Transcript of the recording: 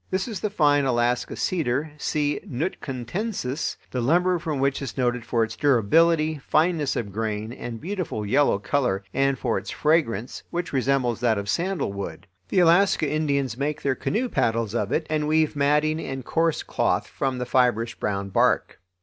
This is the fine Alaska cedar (C. Nootkatensis), the lumber from which is noted for its durability, fineness of grain, and beautiful yellow color, and for its fragrance, which resembles that of sandalwood. The Alaska Indians make their canoe paddles of it and weave matting and coarse cloth from the fibrous brown bark.